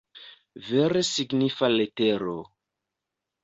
Vere signifa letero!